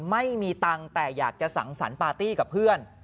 ไม่มีตังค์แต่อยากจะสังสรรค์ปาร์ตี้กับเพื่อน